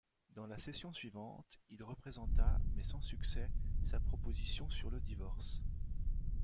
Dans la session suivante, il représenta, mais sans succès, sa proposition sur le divorce.